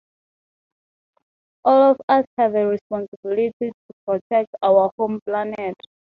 All of us have a responsibility to protect our home planet.